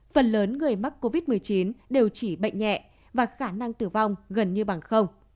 phần lớn người mắc covid một mươi chín đều chỉ bệnh nhẹ và khả năng tử vong gần như bằng